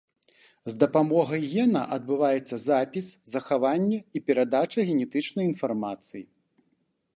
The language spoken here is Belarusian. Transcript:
З дапамогай гена адбываецца запіс, захаванне і перадача генетычнай інфармацыі.